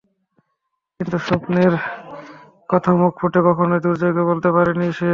কিন্তু সেই স্বপ্নের কথা মুখ ফুটে কখেনোই দুর্জয়কে বলতে পারেনি সে।